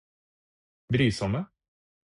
brysomme